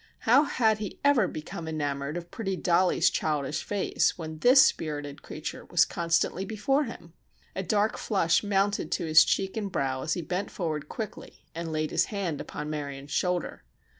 How had he ever become enamored of pretty Dollie's childish face when this spirited creature was constantly before him! A dark flush mounted to his cheek and brow as he bent forward quickly and laid his hand upon Marion's shoulder.